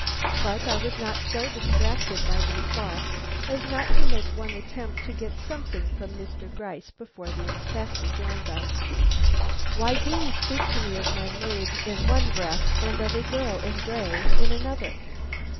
But I was not so distracted by these thoughts as not to make one attempt to get something from Mr. Gryce before the Inspector joined us. "Why do you speak to me of my maid in one breath and of a girl in gray in another?